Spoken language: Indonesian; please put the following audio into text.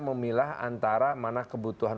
memilah antara mana kebutuhan